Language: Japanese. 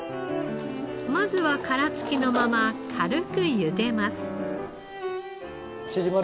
まずは殻つきのまま軽くゆでます。